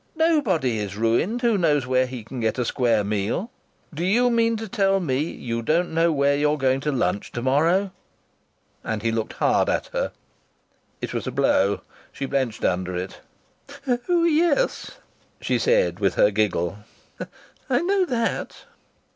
"Nobody is ruined who knows where he can get a square meal. Do you mean to tell me you don't know where you're going to lunch to morrow?" And he looked hard at her. It was a blow. She blenched under it. "Oh, yes," she said, with her giggle, "I know that."